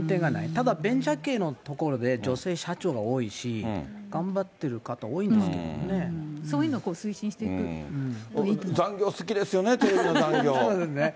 ただベンチャー系のところで女性社長が多いし、頑張ってる方、そういうのを推進していくと残業好きですよね、テレビの残業。